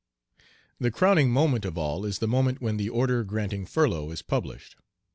The crowning moment of all is the moment when the order granting furloughs is published.